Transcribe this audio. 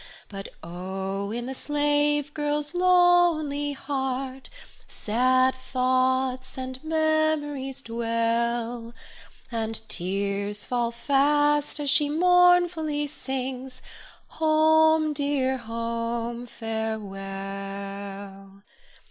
But oh! in the slave girl's lonely heart, Sad thoughts and memories dwell, And tears fall fast as she mournfully sings, Home, dear home, farewell!